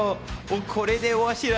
これでわしら